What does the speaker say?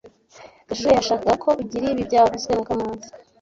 Gashuhe yashakaga ko ugira ibi byavuzwe na kamanzi